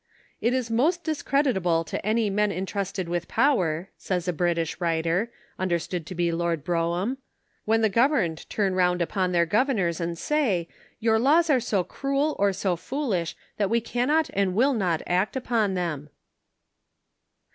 <* It is most dis creditable to any men intrusted with power," says a British writer, understood to be Lord Brougham, <* when the governed turn round upon their governors and say, your laws are so cruel or so foolish that we cannot and will not act upon them.